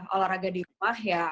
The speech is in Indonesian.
olahraga di rumah ya